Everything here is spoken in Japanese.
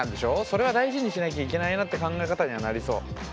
それは大事にしなきゃいけないなって考え方にはなりそう。